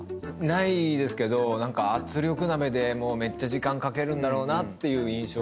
ないですけど何か圧力鍋でめっちゃ時間かけるんだろうなっていう印象が。